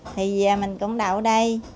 thì giờ mình cũng đậu đây